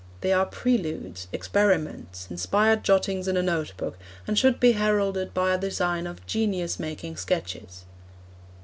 They are preludes, experiments, inspired jottings in a note book, and should be heralded by a design of 'Genius Making Sketches.'